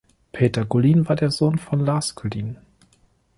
Peter Gullin war der Sohn von Lars Gullin.